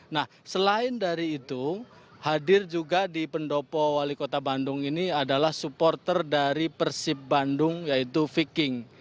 nah selain dari itu hadir juga di pendopo wali kota bandung ini adalah supporter dari persib bandung yaitu viking